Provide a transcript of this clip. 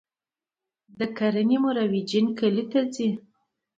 د کرنې مرویجین کلیو ته ځي